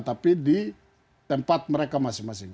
tapi di tempat mereka masing masing